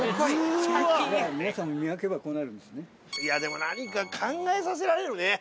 いやでも何か考えさせられるね。